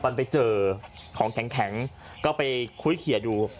พันธุ์ไปเจอของแข็งก็ไปคุยเขียนดู